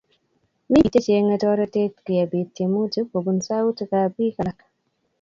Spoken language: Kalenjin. Mi biik che cheng'e toretet ye biit tyemutik kobun sautik ap bik alak